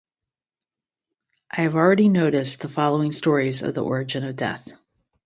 I have already noticed the following stories of the origin of death.